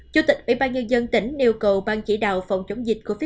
chủ tịch ủy ban nhân dân tỉnh nêu cầu ban chỉ đạo phòng chống dịch covid một mươi chín